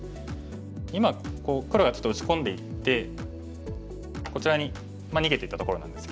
今黒がちょっと打ち込んでいってこちらに逃げていったところなんですけど。